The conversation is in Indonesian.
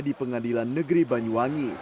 di pengadilan negeri banyuwangi